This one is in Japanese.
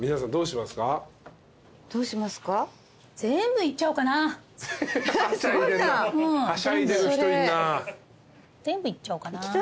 全部いっちゃおうかな。